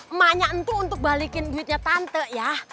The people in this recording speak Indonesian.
emaknya itu untuk balikin duitnya tante ya